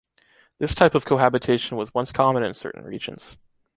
This type of cohabitation was once common in certain regions.